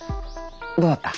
どうだった？